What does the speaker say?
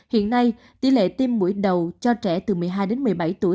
hiện nay tỷ lệ tiêm mũi đầu cho trẻ từ một mươi hai đến một mươi bảy tuổi